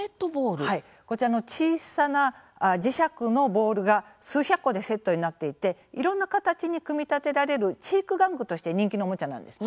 こちら小さな磁石のボールが数百個でセットになっていていろんな形に組み立てられる知育玩具として人気のおもちゃなんですね。